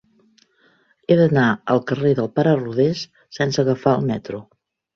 He d'anar al carrer del Pare Rodés sense agafar el metro.